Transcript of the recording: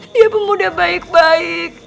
dia pemuda baik baik